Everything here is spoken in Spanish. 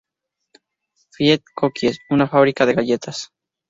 Fields Cookies", una fábrica de galletas.